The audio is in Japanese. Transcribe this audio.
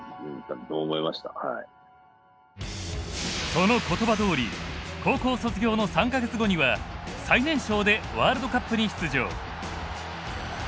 その言葉どおり高校卒業の３か月後には最年少でワールドカップに出場。